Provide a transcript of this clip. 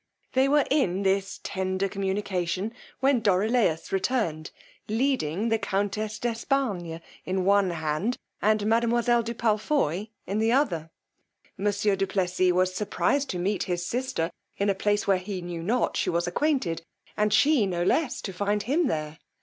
They were in this tender communication when Dorilaus returned leading the countess d'Espargnes in one hand, and mademoiselle de Palfoy in the other. Monsieur du Plessis was surprized to meet his sister in a place where he knew not she was acquainted, and she no less to find him there.